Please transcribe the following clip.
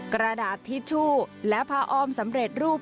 กระดาษทิชชู่และผ้าอ้อมสำเร็จรูป